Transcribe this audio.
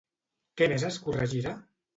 Què més es corregirà?